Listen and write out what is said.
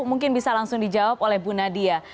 mungkin bisa langsung dijawab oleh bu nadia